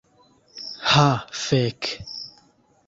Ha fek'